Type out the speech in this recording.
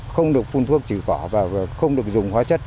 không được phun thuốc chỉ cỏ và không được dùng hóa chất